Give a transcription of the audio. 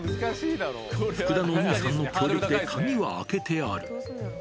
福田のお姉さんの協力で、鍵は開けてある。